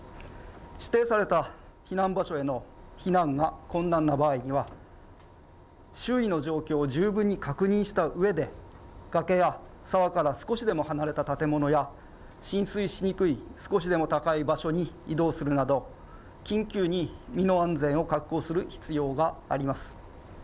指定された避難場所への避難が困難な場合には、周囲の状況を十分に確認したことで、崖や沢から少しでも離れた建物や、浸水しにくい少しでも高い場所に移動するなど、緊急に身の安全を確保する必要があります。